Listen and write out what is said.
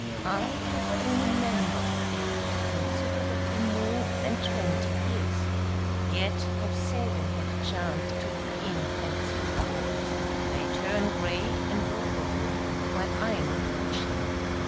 I have been a member of it for considerably more than twenty years, yet have seldom had a chance to look in and see the boys. They turn gray and grow old while I am not watching.